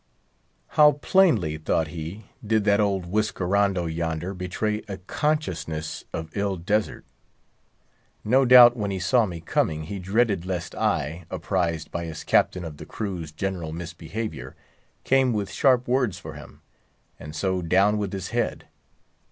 How plainly, thought he, did that old whiskerando yonder betray a consciousness of ill desert. No doubt, when he saw me coming, he dreaded lest I, apprised by his Captain of the crew's general misbehavior, came with sharp words for him, and so down with his head.